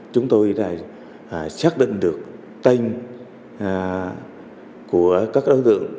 chúng tôi xác định được tên của các đối tượng